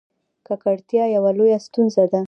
ککړتیا یوه لویه ستونزه ده.